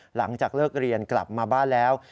หลังจากเลิกเรียนกลับมาบ้านแล้ว